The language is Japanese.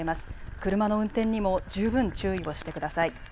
車の運転にも十分注意をしてください。